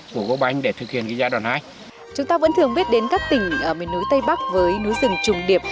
chúng ta vẫn thường biết đến các tỉnh ở miền núi tây bắc với núi rừng trùng điệp